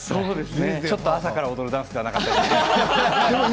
ちょっと朝から踊るダンスではなかった。